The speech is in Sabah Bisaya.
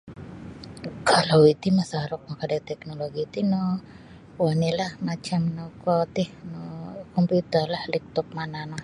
kalau iti masaruk mamakai da tiknoloji tino kuo onilah macam no kuo ti no komputerlah laptop mana no.